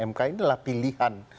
mki adalah pilihan